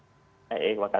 oke terima kasih